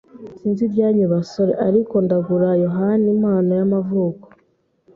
Sinzi ibyanyu basore, ariko ndagura yohani impano y'amavuko.